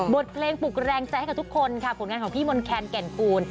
บทเพลงปลุกแรงใจให้กับทุกคนค่ะผลงานของพี่มนต์แคนแก่นกูล